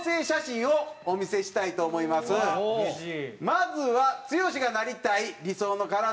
まずは剛がなりたい理想の体。